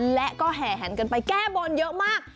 และแห่งไปแก้บนเยอะมาก